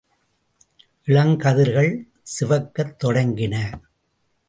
இளங்கதிர்கள் சிவக்கத் தொடங்கின.